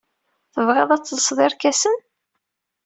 Tebɣiḍ ad telseḍ irkasen?